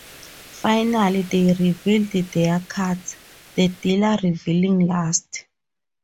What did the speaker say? Finally, they reveal their cards, the dealer revealing last.